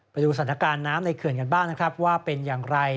ไปดูสถานการณ์น้ำในเขื่อนกันบ้างนะครับว่าเป็นอย่างไร